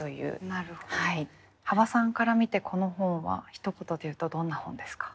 幅さんから見てこの本はひと言で言うとどんな本ですか？